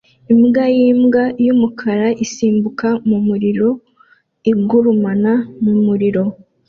Imbwa y'imbwa n'umukara isimbuka mu muriro ugurumana mu murima